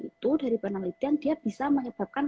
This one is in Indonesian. itu dari penelitian dia bisa menyebabkan